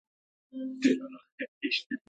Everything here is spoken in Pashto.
کندز سیند د افغانانو د اړتیاوو د پوره کولو وسیله ده.